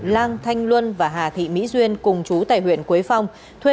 lan thanh luân và hà thị mỹ duyên cùng chú tại huyện quế phong